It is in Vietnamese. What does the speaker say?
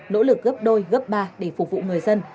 nỗ lực gấp đôi gấp ba để phục vụ người dân